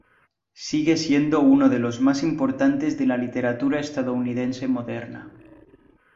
Sigue siendo uno de los más importantes de la literatura estadounidense moderna.